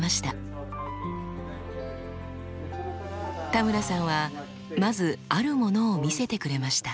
田村さんはまずあるものを見せてくれました。